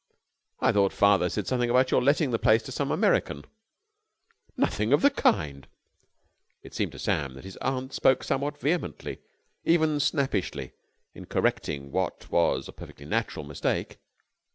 "I thought father said something about your letting the place to some American." "Nothing of the kind!" It seemed to Sam that his aunt spoke somewhat vehemently, even snappishly, in correcting what was a perfectly natural mistake.